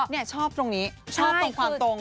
ชอบตรงนี้ชอบตรงความตรง